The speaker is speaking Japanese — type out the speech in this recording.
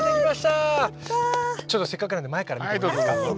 ちょっとせっかくなんで前から見てもいいですか？